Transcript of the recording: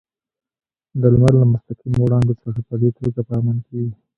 د لمر له مستقیمو وړانګو څخه په دې توګه په امن کې وي.